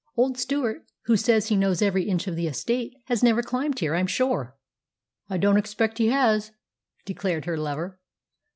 "Old Stewart, who says he knows every inch of the estate, has never climbed here, I'm sure." "I don't expect he has," declared her lover.